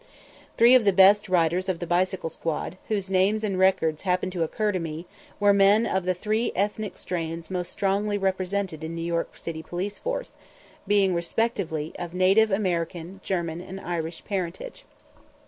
Three of the best riders of the bicycle squad, whose names and records happen to occur to me, were men of the three ethnic strains most strongly represented in the New York police force, being respectively of native American, German, and Irish parentage.